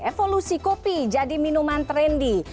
evolusi kopi jadi minuman trendy